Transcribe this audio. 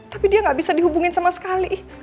tapi dia nggak bisa dihubungin sama sekali